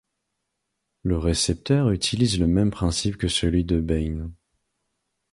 Le récepteur utilise le même principe que celui de Bain.